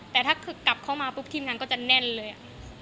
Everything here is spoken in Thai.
แต่ถ้ากลับเข้ามาปุ๊บทีมงานก็จะแน่นเลยอ่ะ